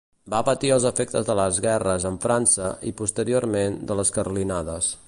Va patir els efectes de les guerres amb França i, posteriorment, de les carlinades.